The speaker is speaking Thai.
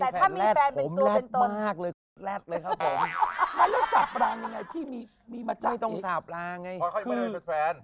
เพราะเขาไม่ได้มีตัวแฟน